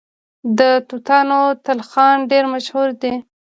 د توتانو تلخان ډیر مشهور دی.